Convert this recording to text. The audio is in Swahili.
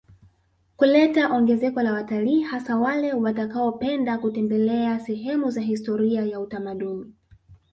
Kuleta ongezeko la wataliii hasa wale watakaopenda kutembelea sehemu za historia ya utamaduni